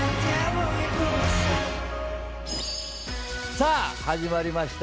さあ始まりました。